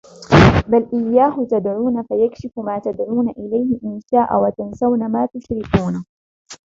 بَلْ إِيَّاهُ تَدْعُونَ فَيَكْشِفُ مَا تَدْعُونَ إِلَيْهِ إِنْ شَاءَ وَتَنْسَوْنَ مَا تُشْرِكُونَ